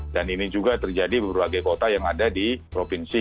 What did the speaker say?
dan ini juga terjadi di berbagai kota yang ada di provinsi